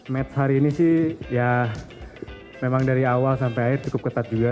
match hari ini sih ya memang dari awal sampai akhir cukup ketat juga